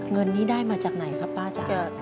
เงินนี้ได้มาจากไหนครับป้าจ๊ะ